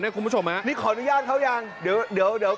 นี้ขอนุญาตเขายังเดี๋ยวเดี๋ยว